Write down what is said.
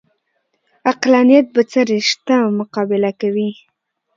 عقلانیت بڅري شته مقابله کوي